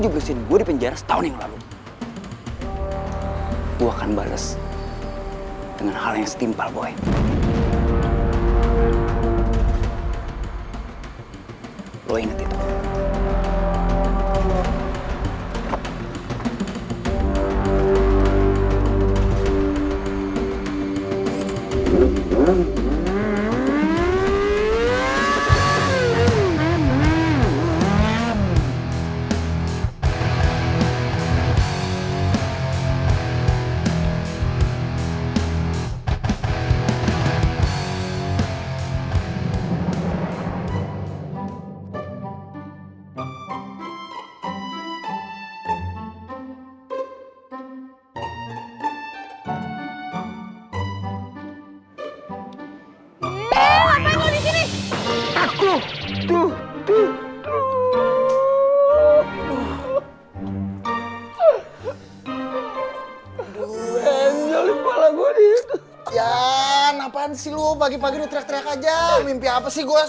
ber akibat kampanye